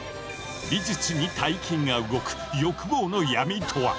美術に大金が動く「欲望の闇」とは？